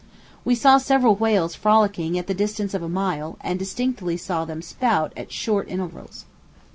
We saw several whales frolicking at the distance of a mile, and distinctly saw them spout at short intervals.